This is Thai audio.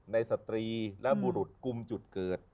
สตรีและบุรุษกลุ่มจุดเกิด